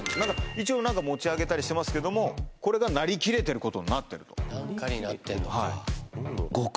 一応何か持ち上げたりしてますけどもこれがなりきれてることになってるとあら！